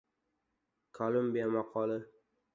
Kolumbiya maqoli